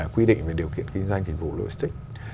quy định về điều kiện kinh doanh chính phủ logistics